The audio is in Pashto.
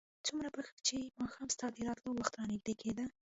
څومره به چې ماښام ستا د راتلو وخت رانږدې کېده.